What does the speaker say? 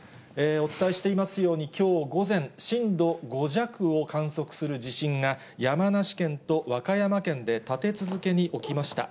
お伝えしていますように、きょう午前、震度５弱を観測する地震が、山梨県と和歌山県で立て続けに起きました。